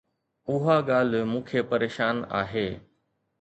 اها ڳالهه مون کي پريشان آهي.